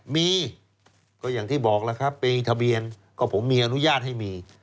มีก็อย่างที่บอกแล้วครับไปทะเบียนก็ผมมีอนุญาตให้มี